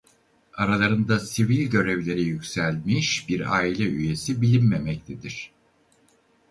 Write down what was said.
Aralarında sivil görevlere yükselmiş bir aile üyesi bilinmemektedir.